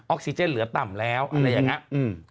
ซีเจนเหลือต่ำแล้วอะไรอย่างนี้